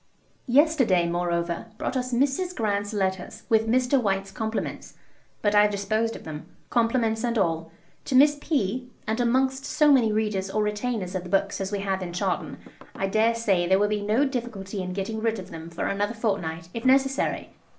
Yesterday, moreover, brought us "Mrs. Grant's Letters," with Mr. White's compliments; but I have disposed of them, compliments and all, to Miss P., and amongst so many readers or retainers of books as we have in Chawton, I dare say there will be no difficulty in getting rid of them for another fortnight, if necessary.